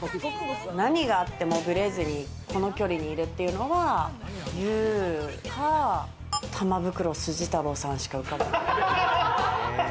何があってもぶれずに、この距離にいるっていうのは優か、玉袋筋太郎さんしか浮かばない。